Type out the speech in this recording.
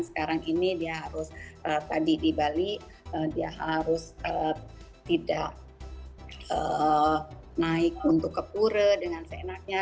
sekarang ini dia harus tadi di bali dia harus tidak naik untuk ke pura dengan seenaknya